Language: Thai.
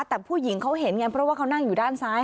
แต่ผู้หญิงเขาเห็นไงเพราะว่าเขานั่งอยู่ด้านซ้าย